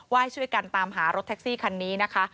ให้ช่วยกันตามหารถแท็กซี่คันนี้นะคะ